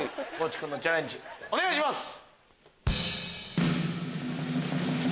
地君のチャレンジお願いします。